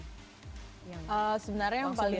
iya nah impact positifnya untuk wanita wanita